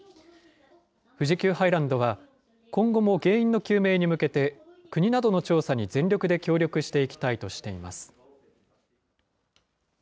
富士急ハイランドは、今後も原因の究明に向けて、国などの調査に全力で協力していきたいとしています。